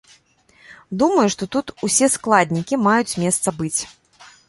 Думаю, што тут ўсе складнікі маюць месца быць.